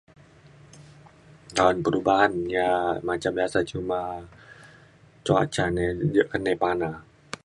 da’an kudu ba’an yak macam biasa cuma cuaca ni je ke nai pana